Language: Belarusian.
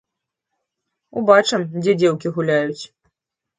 Убачым, дзе дзеўкі гуляюць.